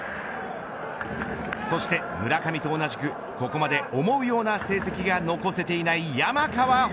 そして村上と同じくここまで思うような成績が残せていない山川穂